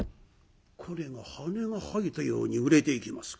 これが羽が生えたように売れていきました。